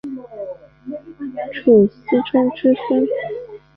斛斯椿之孙。